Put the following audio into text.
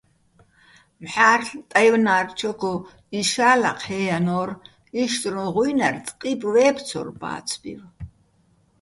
მჵარ'ლ ტაჲვნა́რჩოგო იშა́ ლაჴეჼ ჲანო́რ, იშტრუჼ ღუჲნარ წკიპო̆ ვე́ბცორ ბაცბივ.